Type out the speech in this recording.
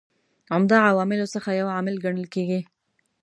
عمده عواملو څخه یو عامل کڼل کیږي.